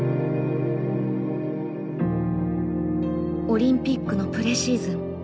オリンピックのプレシーズン。